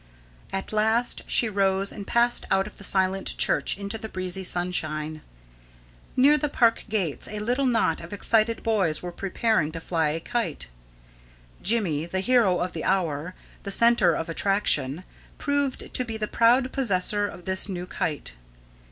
At last she rose and passed out of the silent church into the breezy sunshine. Near the park gates a little knot of excited boys were preparing to fly a kite. Jimmy, the hero of the hour, the centre of attraction, proved to be the proud possessor of this new kite.